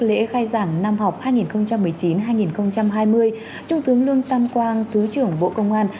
lễ khai giảng năm học hai nghìn một mươi chín hai nghìn hai mươi trung tướng lương tam quang thứ trưởng bộ công an